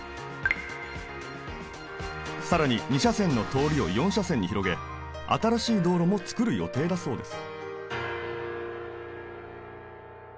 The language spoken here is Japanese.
更に２車線の通りを４車線に広げ新しい道路も作る予定だそうです